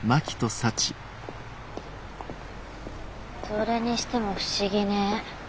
それにしても不思議ね。